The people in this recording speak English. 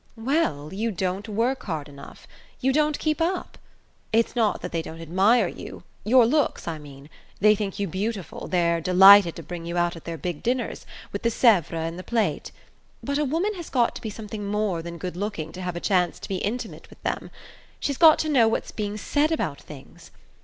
"Well, you don't work hard enough you don't keep up. It's not that they don't admire you your looks, I mean; they think you beautiful; they're delighted to bring you out at their big dinners, with the Sevres and the plate. But a woman has got to be something more than good looking to have a chance to be intimate with them: she's got to know what's being said about things.